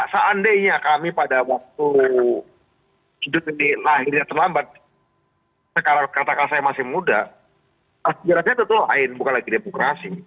seandainya kami pada waktu hidup ini lahirnya terlambat kata kata saya masih muda sejarahnya tetul lain bukan lagi demokrasi